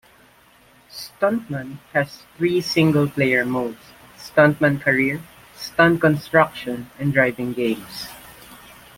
"Stuntman" has three single-player modes: Stuntman Career, Stunt Construction and Driving Games.